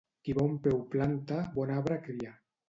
Qui bon peu planta, bon arbre cria.